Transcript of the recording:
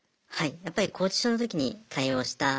やっぱり拘置所のときに対応した少女。